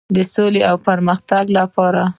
د سولې او پرمختګ لپاره.